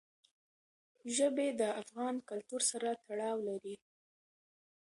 ژبې د افغان کلتور سره تړاو لري.